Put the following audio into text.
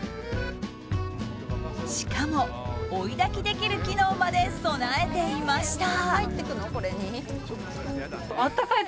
しかも、追い炊きできる機能まで備えていました。